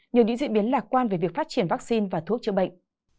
nhờ những diễn biến lạc quan về việc phát triển vaccine và thuốc chữa bệnh